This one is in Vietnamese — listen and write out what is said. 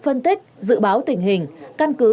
phân tích dự báo tình hình căn cứ